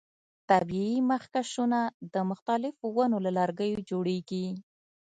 طبیعي مخکشونه د مختلفو ونو له لرګیو جوړیږي.